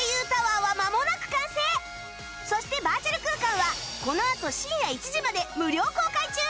そしてバーチャル空間はこのあと深夜１時まで無料公開中！